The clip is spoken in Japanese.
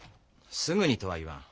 すぐにとは言わん。